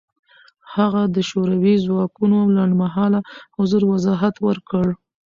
هغه د شوروي ځواکونو لنډمهاله حضور وضاحت ورکړ.